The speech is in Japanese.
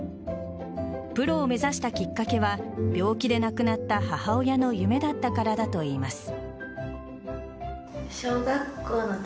プロを目指したきっかけは病気で亡くなった母親の夢だったからだといいます。